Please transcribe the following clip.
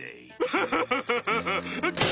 ハハハハハ！